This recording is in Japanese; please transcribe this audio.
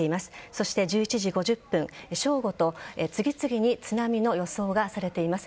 そして１１時５０分、正午と次々に津波の予想がされています。